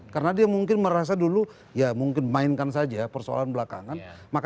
karena dia mungkin merasa dulu ya mungkin mainkan saja persoalan belakangan